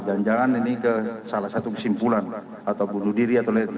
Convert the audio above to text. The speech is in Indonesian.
jangan jangan ini ke salah satu kesimpulan atau bunuh diri atau lain lain